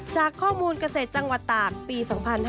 จากข้อมูลเกษตรจังหวัดตากปี๒๕๕๙